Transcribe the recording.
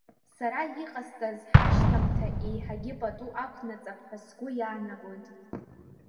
Сара иҟасҵаз ҳашьҭамҭа еиҳагьы пату ақәнаҵап ҳәа сгәы иаанагоит.